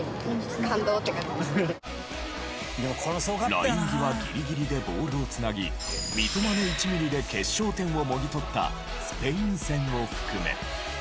ライン際ギリギリでボールを繋ぎ三笘の１ミリで決勝点をもぎ取ったスペイン戦を含め。